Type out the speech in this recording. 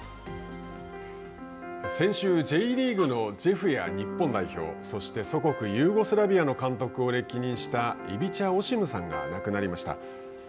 先週、Ｊリーグのジェフや日本代表、そして祖国ユーゴスラビアの監督を歴任したイビチャ・オシムさんが亡くなりました。